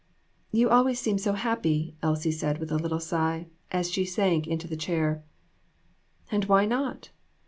"You always seem so happy," Elsie said, with a little sigh, as she sank into the chair. "And why not?